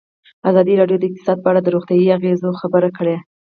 ازادي راډیو د اقتصاد په اړه د روغتیایي اغېزو خبره کړې.